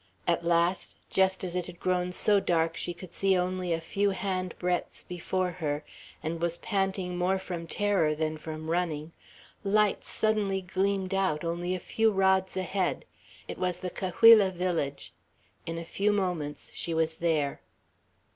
At last, just as it had grown so dark she could see only a few hand breadths before her, and was panting more from terror than from running, lights suddenly gleamed out, only a few rods ahead. It was the Cahuilla village. In a few moments she was there.